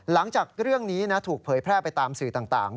หลังจากเรื่องนี้ถูกเผยแพร่ไปตามสื่อต่าง